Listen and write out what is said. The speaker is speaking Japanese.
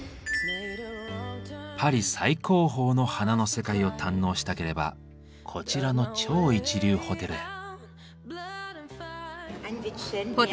パリ最高峰の「花の世界」を堪能したければこちらの超一流ホテルへ。